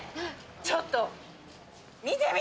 ちょっと。